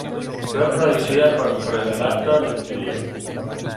Fue producida por Frederator Studios.